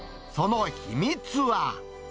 その秘密は。